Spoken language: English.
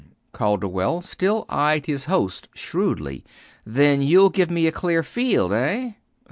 Calderwell still eyed his host shrewdly. "Then you'll give me a clear field, eh?"